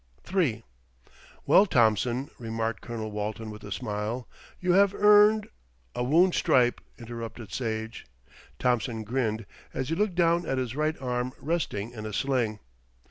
III "Well, Thompson," remarked Colonel Walton with a smile, "you have earned " "A wound stripe," interrupted Sage. Thompson grinned, as he looked down at his right arm resting in a sling.